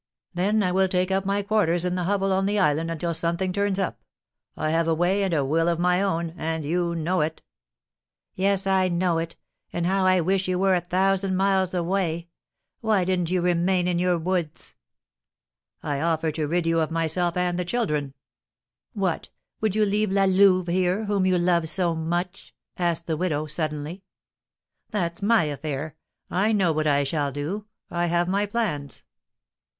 "Then I will take up my quarters in the hovel on the island until something turns up. I have a way and a will of my own, and you know it." "Yes, I know it. Oh, how I wish you were a thousand miles away! Why didn't you remain in your woods?" "I offer to rid you of myself and the children." "What! Would you leave La Louve here, whom you love so much?" asked the widow, suddenly. "That's my affair. I know what I shall do. I have my plans."